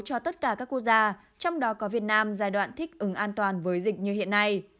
cho tất cả các quốc gia trong đó có việt nam giai đoạn thích ứng an toàn với dịch như hiện nay